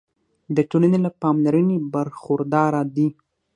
د ټولنې له پاملرنې برخورداره دي.